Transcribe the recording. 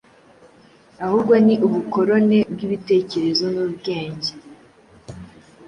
ahubwo ni ubukorone bw’ibitekerezo n’ubwenjye